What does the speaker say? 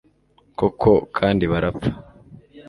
koko kandi barapfa